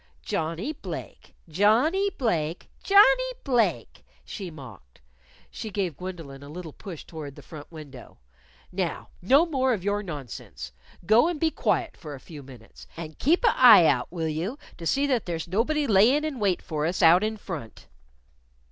"Johnnie Blake! Johnnie Blake! Johnnie Blake!" she mocked. She gave Gwendolyn a little push toward the front window. "Now, no more of your nonsense. Go and be quiet for a few minutes. And keep a' eye out, will you, to see that there's nobody layin' in wait for us out in front?"